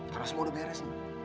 karena semua udah beres